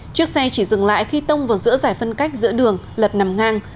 chiếc xe chỉ dừng lại khi tông vào giữa giải phân cách giữa đường lật nằm ngang